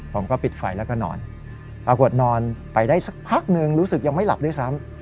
ผมก็ปิดไฟแล้วก็นอนปรากฏนอนไปได้สักพักหนึ่งรู้สึกยังไม่หลับด้วยซ้ำ